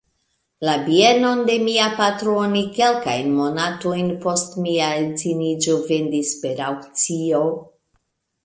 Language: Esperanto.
La bienon de mia patro oni kelkajn monatojn post mia edziniĝo vendis per aŭkcio.